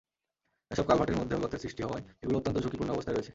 এসব কালভার্টের মধ্যেও গর্তের সৃষ্টি হওয়ায় এগুলো অত্যন্ত ঝুঁকিপূর্ণ অবস্থায় রয়েছে।